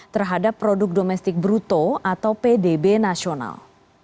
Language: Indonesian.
terhadap produk domestik bruto atau pdb nasional